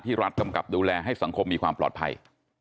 รัฐกำกับดูแลให้สังคมมีความปลอดภัย